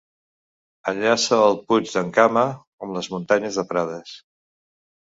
Enllaça el Puig d'en Cama amb les Muntanyes de Prades.